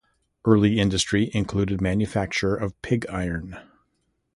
Early industry included manufacture of pig iron.